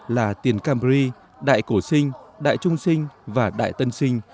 là tiền cambri đại cổ sinh đại trung sinh và đại tân sinh